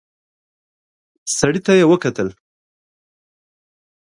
سړي ته يې وکتل.